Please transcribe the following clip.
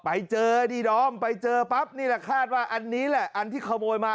ไปเจอดีดอมไปเจอปั๊บนี่แหละคาดว่าอันนี้แหละอันที่ขโมยมา